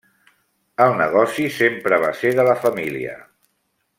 El negoci sempre va ser de la família.